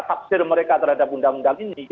tafsir mereka terhadap undang undang ini